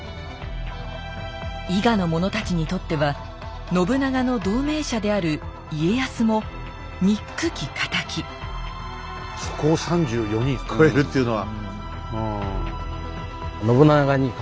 伊賀の者たちにとっては信長の同盟者である家康もにっくき敵そこを３４人で越えるっていうのは。